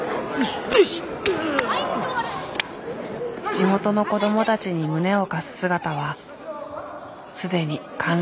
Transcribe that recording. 地元の子供たちに胸を貸す姿は既に貫禄十分。